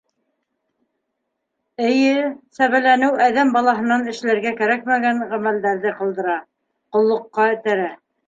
Эйе, сәбәләнеү әҙәм балаһынан эшләргә кәрәкмәгән ғәмәлдәрҙе ҡылдыра, ҡоллоҡҡа этәрә.